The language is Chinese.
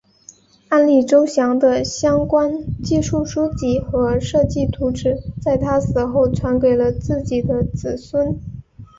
安里周祥的相关技术书籍和设计图纸在他死后传给了自己的子孙。